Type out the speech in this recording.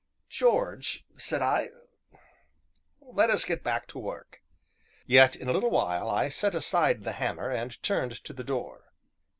"George," said I, "let us get back to work." Yet, in a little while, I set aside the hammer, and turned to the door.